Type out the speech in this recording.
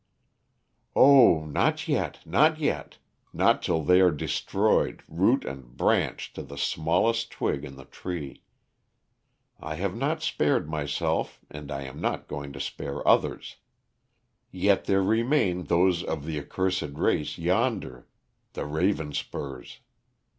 "Oh, not yet, not yet. Not till they are destroyed, root and branch to the smallest twig on the tree. I have not spared myself and I am not going to spare others. Yet there remain those of the accursed race yonder, the Ravenspurs.